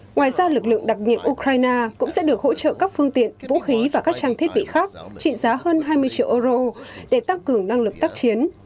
ngoài ra lực lượng đặc nhiệm ukraine cũng sẽ được hỗ trợ các phương tiện vũ khí và các trang thiết bị khác trị giá hơn hai mươi triệu euro để tăng cường năng lực tác chiến